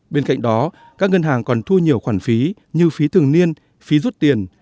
bên cạnh đó các ngân hàng còn thu nhiều khoản phí như phí thường niên phí rút tiền